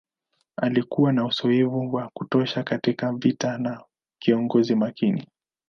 Alikuwa na uzoefu wa kutosha katika vita na kiongozi makini.